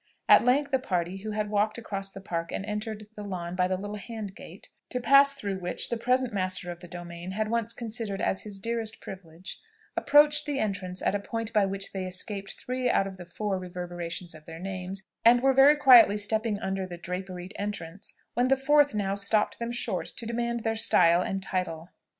At length a party who had walked across the Park and entered on the lawn by the little hand gate, (to pass through which, the present master of the domain had once considered as his dearest privilege,) approached the entrance at a point by which they escaped three out of the four reverberations of their names, and were very quietly stepping under the draperied entrance, when the fourth now stopped them short to demand their style and title.